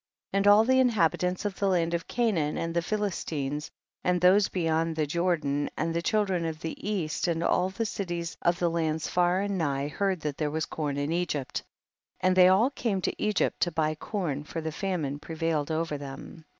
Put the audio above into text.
30. And all the inhabitants of the land of Canaan and the Philistines, and those beyond the Jordan, and the children of the east and all the cities THE BOOK OF JASHER. 159 of the lands far and nigh heard that there was corn in Egypt, and they all came to Egypt to buy corn, for tiie famine prevailed over them.